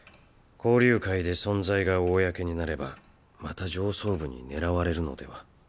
交流会で存在が公になればまた上層部に狙われるのでは？